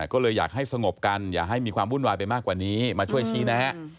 ก็เลยอยากให้สงบกันอย่าให้มีความวุ่นวายไปมากกว่านี้มาช่วยชี้แนะ